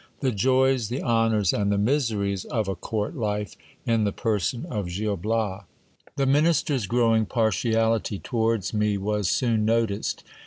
— The joys, tlie honours, and the miseries of a court life, in the person of Gil Bias. The minister s growing partiality towards me was soon noticed.